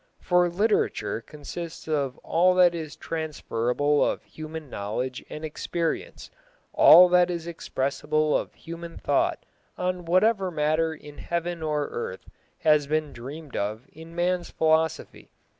For literature consists of all that is transferable of human knowledge and experience, all that is expressible of human thought on whatever matter in heaven or earth has been dreamed of in man's philosophy.